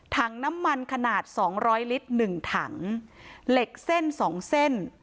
ถังน้ำมันขนาด๒๐๐ลิตร๑ถังเหล็กเส้น๒เส้น